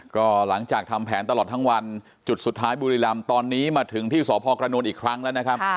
ก็หลังจากทำแผนตลอดทั้งวันจุดสุดท้ายบุรีรำตอนนี้มาถึงที่สพกระนวลอีกครั้งแล้วนะครับ